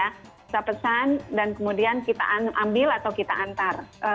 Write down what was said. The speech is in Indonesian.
kita pesan dan kemudian kita ambil atau kita antar